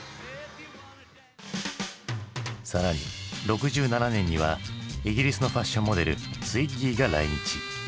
更に６７年にはイギリスのファッションモデルツイッギーが来日。